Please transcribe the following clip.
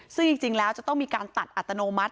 ซึ่งจริงแล้วจะต้องมีการตัดอัตโนมัติ